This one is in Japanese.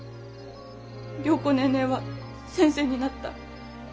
良子ネーネーは先生になった。